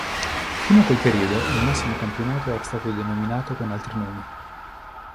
Fino al quel periodo il massimo campionato era stato denominato con altri nomi.